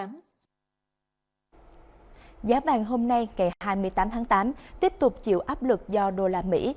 giá bàn hôm nay ngày hai mươi tám tháng tám tiếp tục chịu áp lực do đô la mỹ